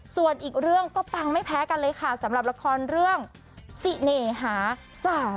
ส่วนอีกเรื่องก็ปังไม่แพ้กันเลยค่ะสำหรับละครเรื่องสิเนหาสาว